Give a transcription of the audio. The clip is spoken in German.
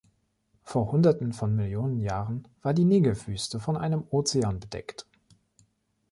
Vor Hunderten von Millionen Jahren war die Negev-Wüste von einem Ozean bedeckt.